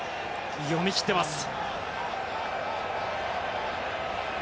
読み切っています。